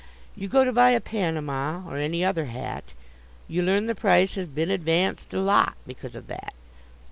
You go to buy a panama, or any other hat; You learn the price has been advanced a lot because of that.